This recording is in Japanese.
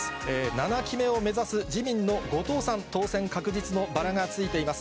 ７期目を目指す自民の後藤さん、当選確実のバラがついています。